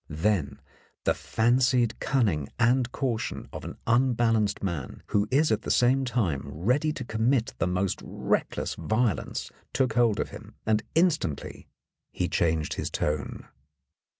Then the fancied cunning and caution of an unbalanced man who is at the same time ready to commit the most reckless violence took hold of him, and instantly he changed his tone.